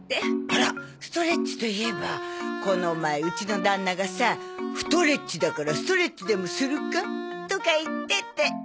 あらストレッチといえばこの前うちの旦那がさふとレッチだからストレッチでもするか？とか言ってて。